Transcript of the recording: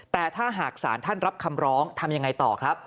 แต่ถ้าหากศาลท่านรับคำร้องทำยังไงต่อครับ